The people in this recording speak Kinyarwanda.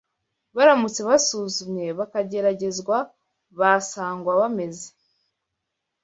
Baramutse basuzumwe bakageragezwa, basangwa bameze